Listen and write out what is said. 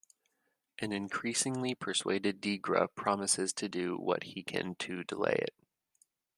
An increasingly persuaded Degra promises to do what he can to delay it.